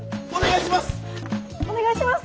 お願いします！